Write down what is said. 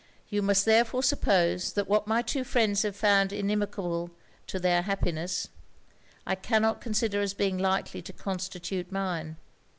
You must therefore suppose that what my two friends have found inimical to their happiness, I cannot consider as being likely to constitute mine.'